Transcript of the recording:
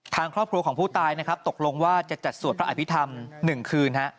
ทางครอบครัวของผู้ตายนะครับตกลงว่าจะจัดสวดพระอภิษฐรรม๑คืน